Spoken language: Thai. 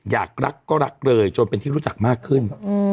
อยากรักก็รักเลยจนเป็นที่รู้จักมากขึ้น